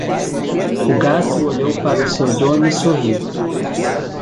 O gato olhou para o seu dono e sorriu.